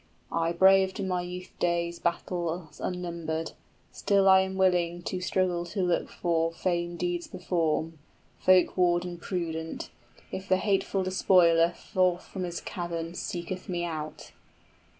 } 50 "I braved in my youth days battles unnumbered; Still am I willing the struggle to look for, Fame deeds perform, folk warden prudent, If the hateful despoiler forth from his cavern Seeketh me out!"